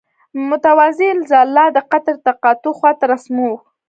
متوازی الاضلاع قطر د تقاطع خواته رسموو.